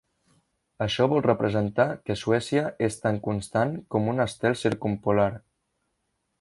Això vol representar que Suècia es tan constant com un estel circumpolar.